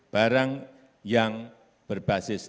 barang yang berbasis